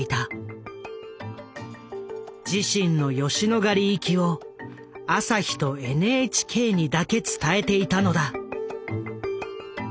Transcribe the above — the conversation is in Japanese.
自身の吉野ヶ里行きを朝日とＮＨＫにだけ伝えていたのだ。